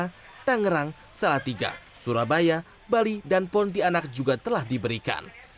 jakarta tangerang salatiga surabaya bali dan pontianak juga telah diberikan